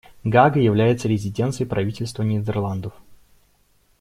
Гаага является резиденцией правительства Нидерландов.